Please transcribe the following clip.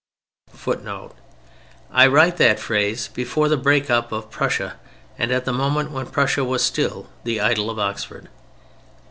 [Footnote: I wrote that phrase before the break up of Prussia and at a moment when Prussia was still the idol of Oxford.